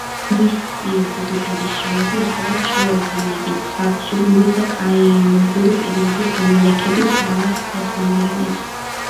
მისი ძირითადი შრომები ეხება ჩრდილოეთ ამერიკის ცარცული და კაინოზოური პერიოდის დანალექების ნამარხ ხერხემლიანებს.